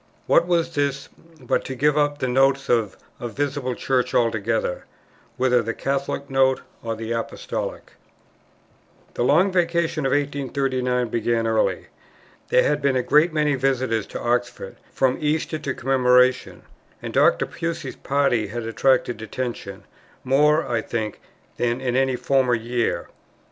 What was this, but to give up the Notes of a visible Church altogether, whether the Catholic Note or the Apostolic? The Long Vacation of 1839 began early. There had been a great many visitors to Oxford from Easter to Commemoration; and Dr. Pusey's party had attracted attention, more, I think, than in any former year.